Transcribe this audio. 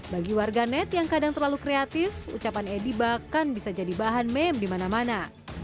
bagi warga net yang kadang terlalu kreatif ucapan edi bahkan bisa jadi bahan meme di mana mana